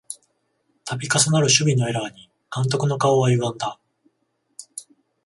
たび重なる守備のエラーに監督の顔はゆがんだ